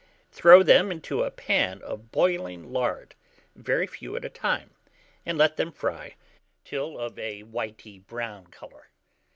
Throw them into a pan of boiling lard, very few at a time, and let them fry till of a whitey brown colour.